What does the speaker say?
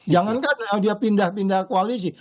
jangan kan dia pindah pindah koalisi